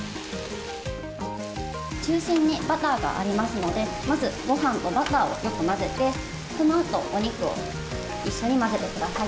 中心にバターがありますので、まず、ごはんとバターをよく混ぜて、そのあとお肉を一緒に混ぜてください。